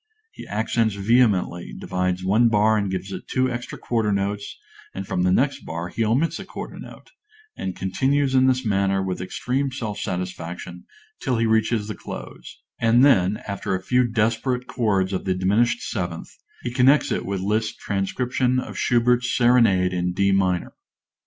He accents vehemently, divides one bar and gives it two extra quarter notes, and from the next bar he omits a quarter note, and continues in this manner with extreme self satisfaction till he reaches the close; and then, after a few desperate chords of the diminished seventh, he connects with it Liszt's Transcription of Schubert's Serenade in D minor.